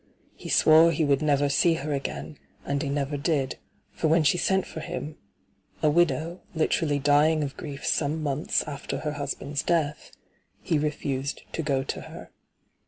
He swore he would never see her again, and he never did, for when she sent for him — a widow, literally dying of grief some months after her husband's death — he refused to go to her.